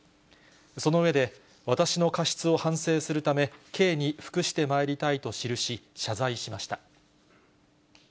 その上で、私の過失を反省するため刑に服してまいりたいと記し、謝罪しました。